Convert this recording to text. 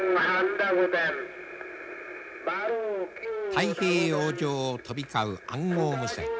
太平洋上を飛び交う暗号無線。